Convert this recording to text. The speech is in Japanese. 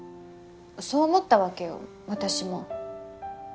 そう思ったわけよ私も。